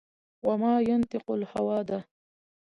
و ما ینطق الهوا ده